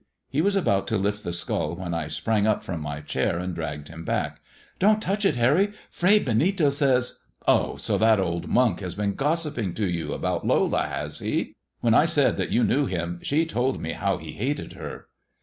He was about to lift the skull, when I sprang up from my chair and di'agged him back. Don't touch it, Harry. Fray Benito says "" Oh, so that old monk has been gossiping to you about Lola, has he ? When I said that you knew him she told me how he hated her."